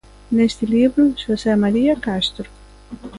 Neste libro, Xosé María Castro.